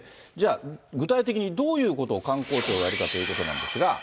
じゃあ、具体的にどういうことを観光庁がやるかということなんですが。